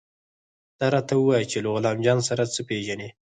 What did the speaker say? دا راته ووايه چې له غلام جان سره څه پېژنې.